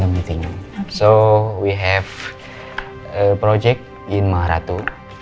jadi kita punya proyek di maharatu